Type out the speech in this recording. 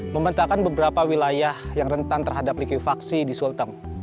memetakan beberapa wilayah yang rentan terhadap likuifaksi di sulteng